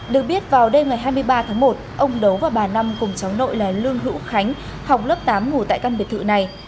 được biết vào đêm ngày hai mươi ba tháng một ông đấu và bà năm cùng cháu nội là lương hữu khánh học lớp tám ngủ tại căn biệt thự này